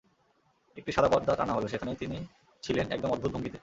একটি সাদা পর্দা টানা হলো, সেখানেই তিনি ছিলেন, একদম অদ্ভুত ভঙ্গিতে।